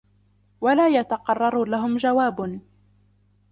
وَلَا يَتَقَرَّرُ لَهُمْ جَوَابٌ